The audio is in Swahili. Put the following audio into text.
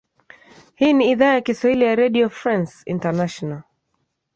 hii ni idhaa ya kiswahili ya redio france international